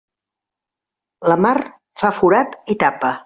La mar fa forat i tapa.